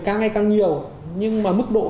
càng hay càng nhiều nhưng mà mức độ